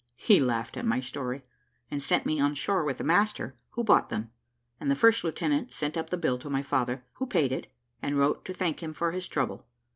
He laughed at my story, and sent me on shore with the master, who bought them, and the first lieutenant sent up the bill to my father, who paid it, and wrote to thank him for his trouble.